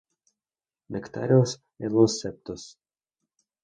Nectarios en los septos.